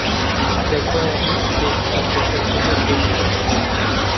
دەبووایە هەموو شتێک بکەم کە شێخ عومەر پێی گوتم.